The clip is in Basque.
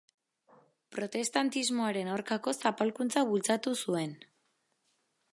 Protestantismoaren aurkako zapalkuntza bultzatu zuen.